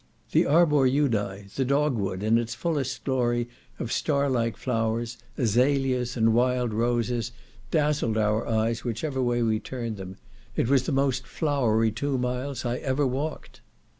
The arbor judae, the dog wood, in its fullest glory of star like flowers, azalias, and wild roses, dazzled our eyes whichever way we turned them. It was the most flowery two miles I ever walked.